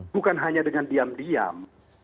bukan hanya dengan diam diam